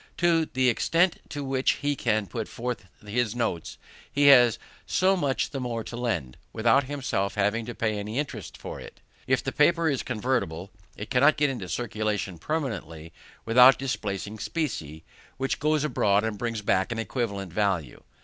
To the extent to which he can put forth his notes, he has so much the more to lend, without himself having to pay any interest for it. If the paper is convertible, it cannot get into circulation permanently without displacing specie, which goes abroad and brings back an equivalent value.